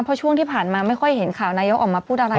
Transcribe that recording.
เพราะช่วงที่ผ่านมาไม่ค่อยเห็นข่าวนายกออกมาพูดอะไร